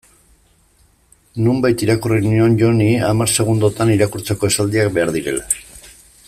Nonbait irakurri nion Joni hamar segundotan irakurtzeko esaldiak behar direla.